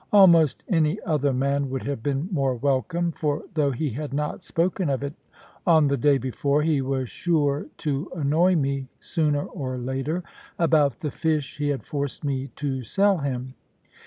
Almost any other man would have been more welcome; for though he had not spoken of it on the day before, he was sure to annoy me, sooner or later, about the fish he had forced me to sell him.